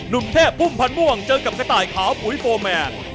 นุ่มเทพพุ่มพันธ์ม่วงเจอกับกระต่ายขาวปุ๋ยโฟร์แมน